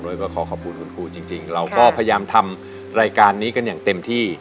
โดยก็ขอขอบคุณคุณครูจริงเราก็พยายามทำรายการนี้กันอย่างเต็มที่